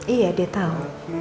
iya dia tau